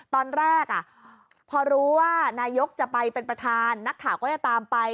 ตอนแรกพอรู้ว่านายกจะไปเป็นประธานนักข่าวก็จะตามไป